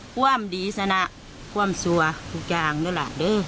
ภวมดีศนาภวมสวยทุกอย่างด้วยล่ะด้วย